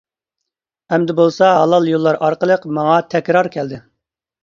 ئەمدى بولسا ھالال يوللار ئارقىلىق ماڭا تەكرار كەلدى.